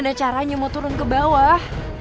ada caranya mau turun ke bawah